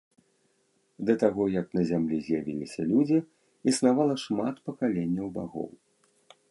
Да таго, як на зямлі з'явіліся людзі, існавала шмат пакаленняў багоў.